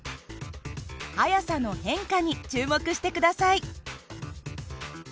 速さの変化に注目して下さい。